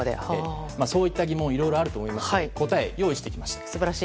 そういった疑問いろいろとあると思いますので答えを用意してきました。